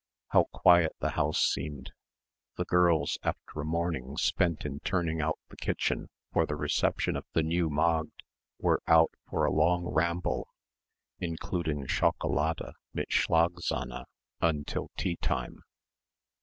How quiet the house seemed. The girls, after a morning spent in turning out the kitchen for the reception of the new magd were out for a long ramble, including Schocolade mit Schlagsahne until tea time.